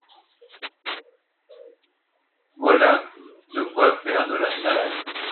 Voilà de quoi faire de la salade.